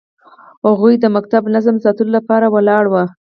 هغوی د ښوونځي نظم ساتلو لپاره ولاړ وو.